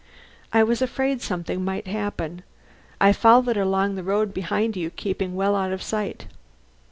I was afraid something might happen. I followed along the road behind you, keeping well out of sight."